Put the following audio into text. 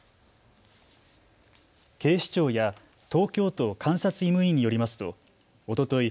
警視庁や東京都監察医務院によりますとおととい